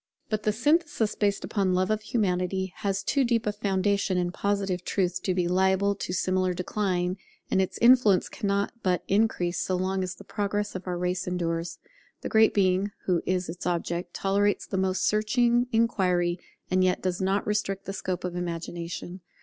But the synthesis based upon Love of Humanity has too deep a foundation in Positive truth to be liable to similar decline; and its influence cannot but increase so long as the progress of our race endures. The Great Being, who is its object, tolerates the most searching inquiry, and yet does not restrict the scope of Imagination.